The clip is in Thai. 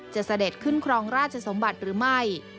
เสด็จขึ้นครองราชสมบัติหรือไม่